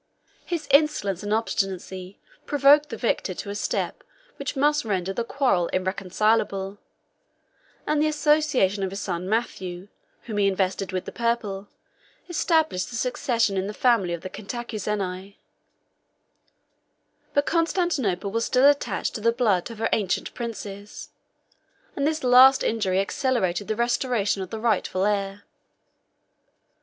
His insolence and obstinacy provoked the victor to a step which must render the quarrel irreconcilable; and the association of his son Matthew, whom he invested with the purple, established the succession in the family of the Cantacuzeni. But Constantinople was still attached to the blood of her ancient princes; and this last injury accelerated the restoration of the rightful heir.